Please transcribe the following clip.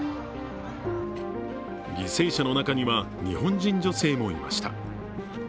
犠牲者の中には日本人女性もいました。